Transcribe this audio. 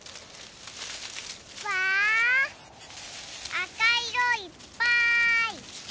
わあかいろいっぱい！